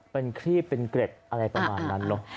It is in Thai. เป็นครีบเป็นเกร็ดอะไรประมาณนั้นเนอะ